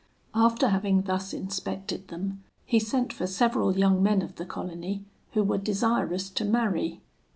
After having thus inspected them, he sent for several young men of the colony who were desirous to marry.